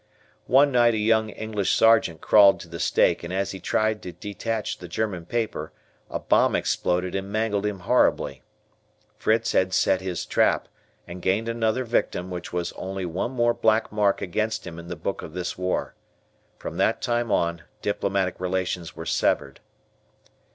One night a young English Sergeant crawled to the stake and as he tried to detach the German paper a bomb exploded and mangled him horribly. Fritz had set his trap and gained another victim which was only one more black mark against him in the book of this war. From that time on diplomatic relations were severed.